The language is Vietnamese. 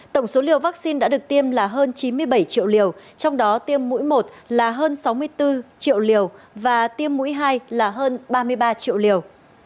tổng số liều vaccine đã được tiêm là hơn chín mươi bảy triệu liều trong đó tiêm mũi một là hơn sáu mươi bốn triệu liều và tiêm mũi hai là hơn ba mươi ba triệu liều